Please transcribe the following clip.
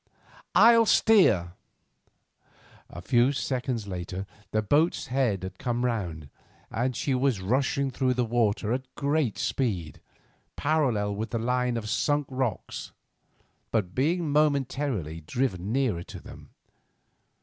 I'll steer." A few seconds later the boat's head had come round, and she was rushing through the water at great speed, parallel with the line of the Sunk Rocks, but being momentarily driven nearer to them.